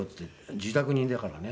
自宅にだからね